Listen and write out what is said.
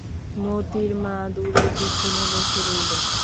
মোতির মা দূরে পিছনে বসে রইল।